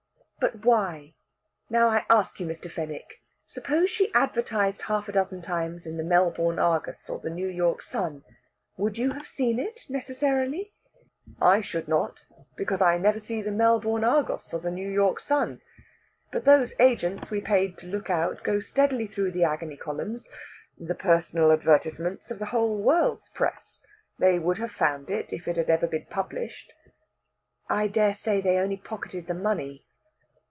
"But why? Now I ask you, Mr. Fenwick, suppose she advertised half a dozen times in the 'Melbourne Argus' or the 'New York Sun,' would you have seen it, necessarily?" "I should not, because I never see the 'Melbourne Argus' or the 'New York Sun.' But those agents we paid to look out go steadily through the agony columns the personal advertisements of the whole world's press; they would have found it if it had ever been published." "I dare say they only pocketed the money."